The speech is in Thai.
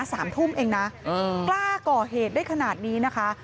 สามทุ่มเองนะเออกล้าก่อเหตุได้ขนาดนี้นะคะ